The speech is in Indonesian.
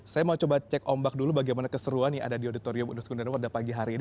saya mau coba cek ombak dulu bagaimana keseruan yang ada di auditorium universitas pada pagi hari ini